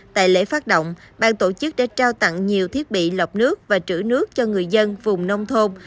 tại lễ phát động bang tổ chức đã trao tặng nhiều thiết bị lọc nước và trữ nước cho người dân vùng nông thôn